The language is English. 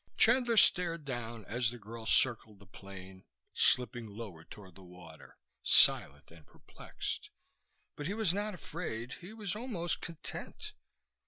Chandler stared down as the girl circled the plane, slipping lower toward the water, silent and perplexed. But he was not afraid. He was almost content.